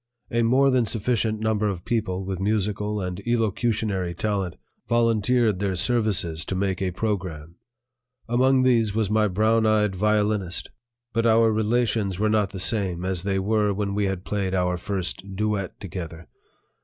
A more than sufficient number of people with musical and elocutionary talent volunteered their services to make a program. Among these was my brown eyed violinist. But our relations were not the same as they were when we had played our first duet together.